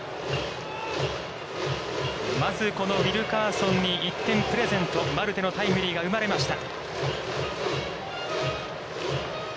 まずこのウィルカーソンに１点プレゼント、マルテのタイムリーが生まれました。